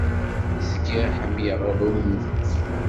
Zgiɣ ḥemmleɣ aɛummu.